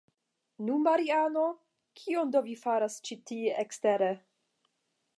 Nu, Mariano, kion do vi faras ĉi tie ekstere?